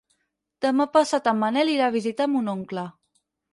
Demà passat en Manel irà a visitar mon oncle.